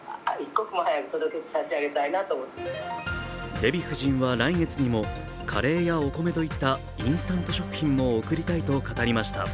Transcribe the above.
デヴィ夫人は来月にもカレーやお米といったインスタント食品も送りたいと語りました。